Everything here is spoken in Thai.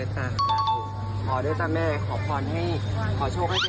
อ๋อถูก